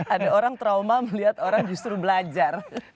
ada orang trauma melihat orang justru belajar